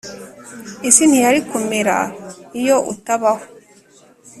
isi ntiyari kumera iyo utabaho.